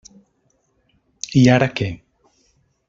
I ara, què?